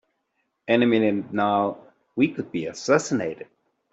Any minute now we could be assassinated!